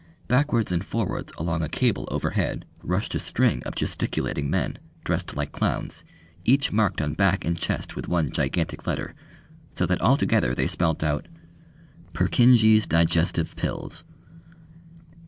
Backwards and forwards along a cable overhead rushed a string of gesticulating men, dressed like clowns, each marked on back and chest with one gigantic letter, so that altogether they spelt out: "PURKINJE'S DIGESTIVE PILLS."